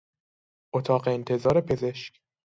اتاق انتظار پزشک